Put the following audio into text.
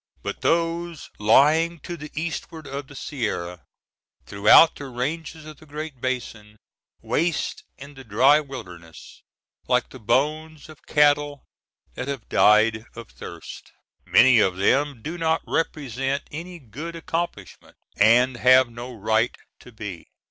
But those lying to the eastward of the Sierra throughout the ranges of the Great Basin waste in the dry wilderness like the bones of cattle that have died of thirst. Many of them do not represent any good accomplishment, and have no right to be.